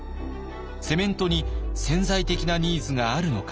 セメントに潜在的なニーズがあるのか。